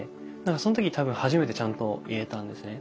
その時多分初めてちゃんと言えたんですね。